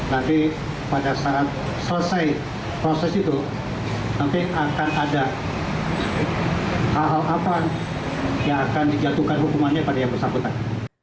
nanti pada saat selesai proses itu nanti akan ada hal hal apa yang akan dijatuhkan hukumannya pada yang bersangkutan